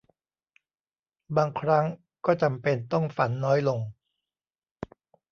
บางครั้งก็จำเป็นต้องฝันน้อยลง